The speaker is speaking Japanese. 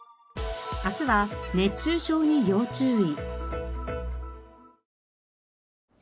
明日は熱中症に要注意。